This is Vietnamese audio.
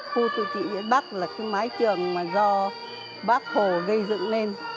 khu tù trị bắc là cái mái trường do bác hồ gây dựng lên